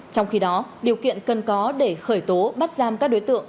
trong khi đó điều kiện cần có để khởi tố bắt giam các đối tượng